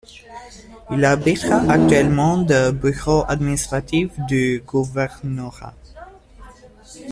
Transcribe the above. Il abrite actuellement des bureaux administratifs du gouvernorat.